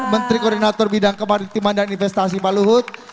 menteri koordinator bidang kemaritiman dan investasi pak luhut